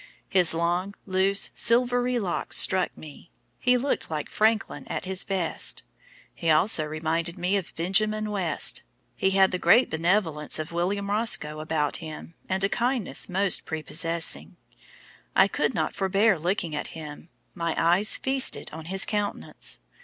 His long, loose, silvery locks struck me; he looked like Franklin at his best. He also reminded me of Benjamin West; he had the great benevolence of William Roscoe about him and a kindness most prepossessing. I could not forbear looking at him, my eyes feasted on his countenance.